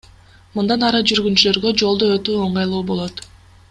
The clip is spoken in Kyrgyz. Мындан ары жүргүнчүлөргө жолду өтүү ыңгайлуу болот.